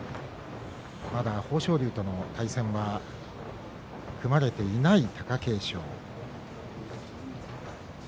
まだ豊昇龍との対戦は組まれていません。